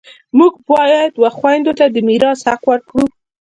موږ باید و خویندو ته د میراث حق ورکړو